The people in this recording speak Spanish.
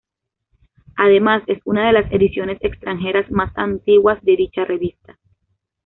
Además, es una de las ediciones extranjeras más antiguas de dicha revista.